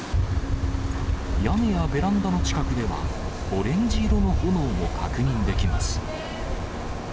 屋根やベランダの近くでは、オレンジ色の炎も確認できます。